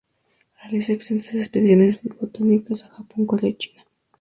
Realizó extensas expediciones botánicas a Japón, Corea, y a China.